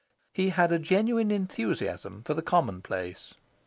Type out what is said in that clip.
He had a genuine enthusiasm for the commonplace.